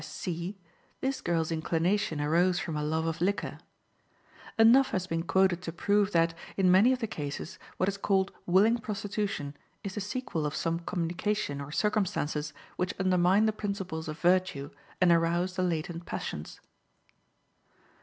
S. C.: this girl's inclination arose from a love of liquor. Enough has been quoted to prove that, in many of the cases, what is called willing prostitution is the sequel of some communication or circumstances which undermine the principles of virtue and arouse the latent passions.